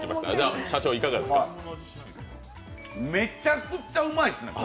めっちゃくちゃうまいですね。